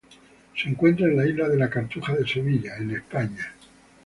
Se encuentra en la Isla de la Cartuja de Sevilla, en España.